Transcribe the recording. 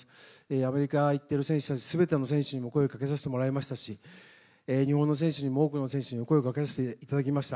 アメリカに行っている選手たち全ての選手にも声をかけさせてもらいましたし日本の選手にも多くの選手に声をかけさせていただきました。